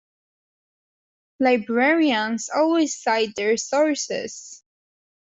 Librarians always cite their sources.